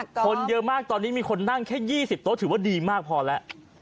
คนเยอะมากตอนนี้มีคนนั่งแค่๒๐โต๊ะถือว่าดีมากพอแล้ว